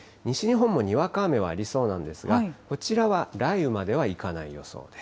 西日本もにわか雨はありそうなんですが、こちらは雷雨まではいかない予想です。